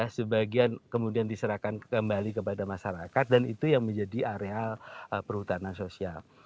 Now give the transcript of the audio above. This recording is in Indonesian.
sebagian kemudian diserahkan kembali kepada masyarakat dan itu yang menjadi areal perhutanan sosial